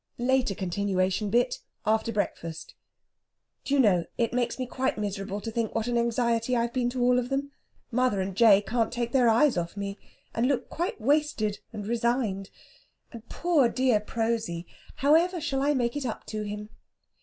(Later continuation bit after breakfast.) Do you know, it makes me quite miserable to think what an anxiety I've been to all of them! Mother and J. can't take their eyes off me, and look quite wasted and resigned. And poor dear Prosy! How ever shall I make it up to him?